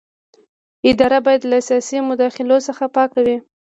اداره باید له سیاسي مداخلو څخه پاکه وي.